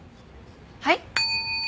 はい？